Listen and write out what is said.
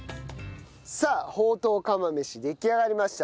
さあほうとう釜飯出来上がりました。